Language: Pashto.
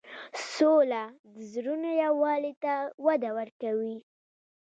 سوله د زړونو یووالی ته وده ورکوي.